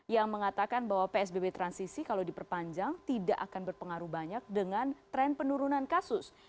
yang mengatakan bahwa psbb transisi kalau diperpanjang tidak akan berpengaruh banyak dengan tren penurunan kasus